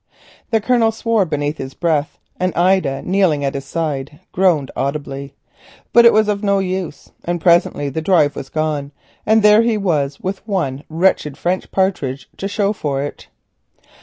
The Colonel swore beneath his breath, and Ida kneeling at his side, sighed audibly; but it was of no use, and presently the drive was done, and there he was with one wretched French partridge to show for it.